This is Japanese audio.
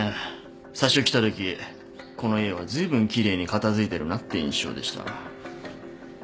最初来たときこの家はずいぶん奇麗に片付いてるなって印象でした。